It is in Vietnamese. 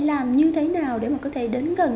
làm như thế nào để mà có thể đến gần